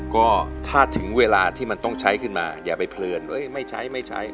ก็ถ้าถึงเวลาที่มันต้องใช้ขึ้นมาอย่าไปเพลินไม่ใช้ไม่ใช้